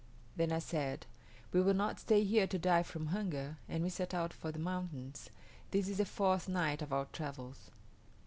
Then I said, 'We will not stay here to die from hunger,' and we set out for the mountains. This is the fourth night of our travels."